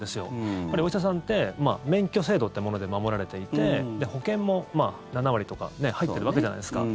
やっぱりお医者さんって免許制度ってもので守られていて保険も７割とか入ってるわけじゃないですか。